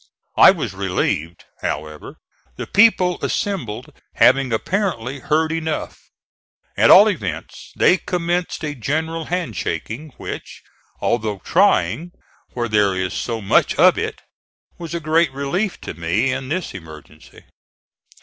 I was relieved, however, the people assembled having apparently heard enough. At all events they commenced a general hand shaking, which, although trying where there is so much of it, was a great relief to me in this emergency.